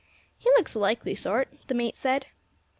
"He looks a likely sort," the mate said.